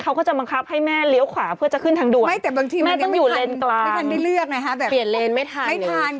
เขาก็จะบังคับให้แม่เลี้ยวขวาเพื่อจะขึ้นทางด่วน